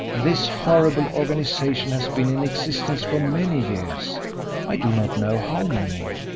This horrible organisation has been in existence for many years. I do not know how many.